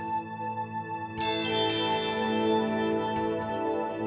มคศทำเมฆตี